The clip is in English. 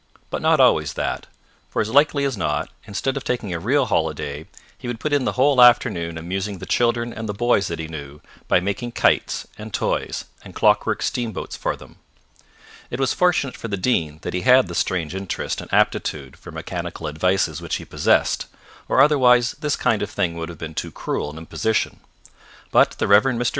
But not always that, for as likely as not, instead of taking a real holiday he would put in the whole afternoon amusing the children and the boys that he knew, by making kites and toys and clockwork steamboats for them. It was fortunate for the Dean that he had the strange interest and aptitude for mechanical advices which he possessed, or otherwise this kind of thing would have been too cruel an imposition. But the Rev. Mr.